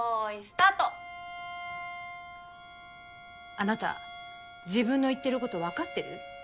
あなた自分の言ってること分かってる？